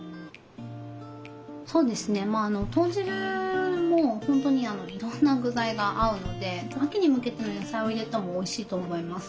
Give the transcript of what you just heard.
そうですね豚汁もほんとにいろんな具材が合うので秋に向けての野菜を入れてもおいしいと思います。